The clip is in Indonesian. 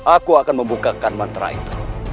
aku akan membukakan mantra itu